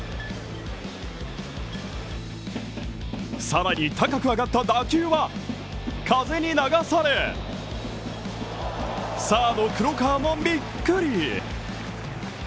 更に高く上がった打球は風に流されサード・黒川もビックリ。